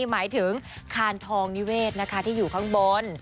หมายถึงคานทองนิเวศที่อยู่ข้างบน